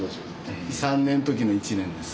３年の時の１年です。